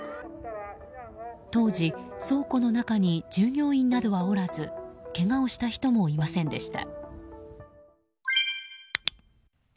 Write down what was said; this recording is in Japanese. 当時、倉庫の中に従業員などはおらずけがをした人もいませんでした。